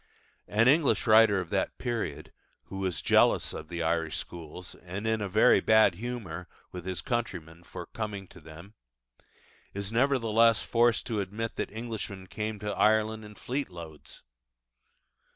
An English writer of that period, who was jealous of the Irish schools and in very bad humour with his countrymen for coming to them, is nevertheless forced to admit that Englishmen came to Ireland "in fleetloads."